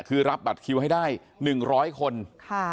คือรับบัตรคิวให้ได้๑๐๐คน